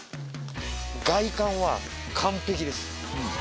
外観は完璧です。